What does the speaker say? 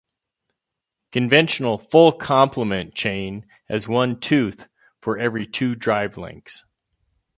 Conventional "full complement" chain has one tooth for every two drive links.